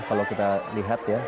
kalau kita lihat ya